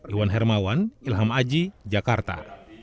iwan hermawan ilham aji jakarta